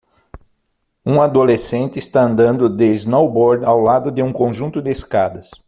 Um adolescente está andando de snowboard ao lado de um conjunto de escadas.